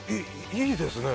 いいですね。